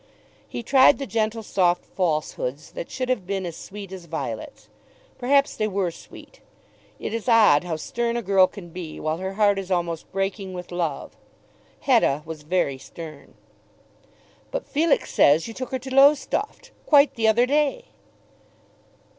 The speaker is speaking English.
He tried the gentle, soft falsehoods that should have been as sweet as violets. Perhaps they were sweet. It is odd how stern a girl can be, while her heart is almost breaking with love. Hetta was very stern. "But Felix says you took her to Lowestoft, quite the other day."